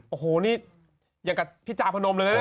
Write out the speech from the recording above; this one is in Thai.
โอ้โหนี่อย่างกับพี่จาพนมเลยนะ